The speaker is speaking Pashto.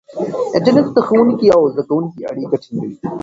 انټرنیټ د ښوونکي او زده کوونکي اړیکه ټینګوي.